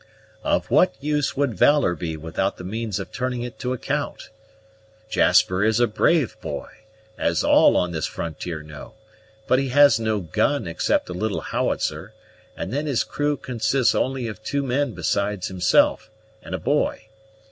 "Of what use would valor be without the means of turning it to account? Jasper is a brave boy, as all on this frontier know; but he has no gun except a little howitzer, and then his crew consists only of two men besides himself, and a boy.